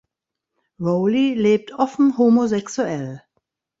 Rowley lebt offen homosexuell.